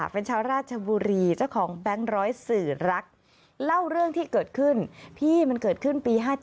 เป็นชาวราชบุรีเจ้าของแบงค์ร้อยสื่อรักเล่าเรื่องที่เกิดขึ้นพี่มันเกิดขึ้นปี๕๗